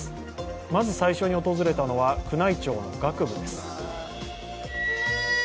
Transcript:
まず最初に訪れたのは宮内庁の楽部です